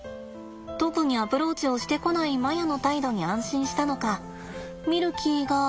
特にアプローチをしてこないマヤの態度に安心したのかミルキーが。